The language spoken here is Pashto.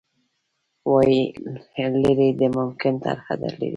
وايي، لیرې د ممکن ترحده لیرې